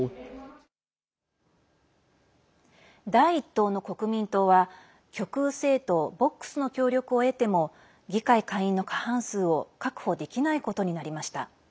第１党の国民党は極右政党ボックスの協力を得ても議会下院の過半数を確保できないことになりました。